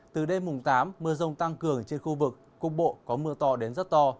từ đêm mùng tám mưa rông tăng cường trên khu vực cục bộ có mưa to đến rất to